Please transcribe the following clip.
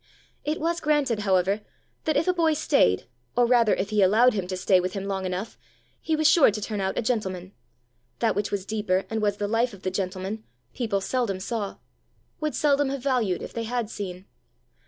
It was granted, however, that, if a boy stayed, or rather if he allowed him to stay with him long enough, he was sure to turn out a gentleman: that which was deeper and was the life of the gentleman, people seldom saw would seldom have valued if they had seen.